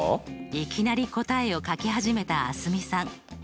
いきなり答えを書き始めた蒼澄さん。